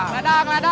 ledang ledang ledang